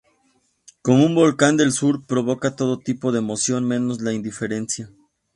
Como un volcán del sur, provoca todo tipo de emoción menos la indiferencia.